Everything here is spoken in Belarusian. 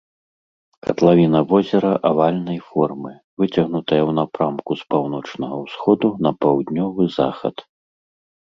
Катлавіна возера авальнай формы, выцягнутая ў напрамку з паўночнага ўсходу на паўднёвы захад.